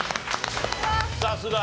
さすが！